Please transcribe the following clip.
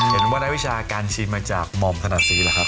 เห็นว่านักวิชาการชิมมาจากหม่อมธนาศีหรือครับ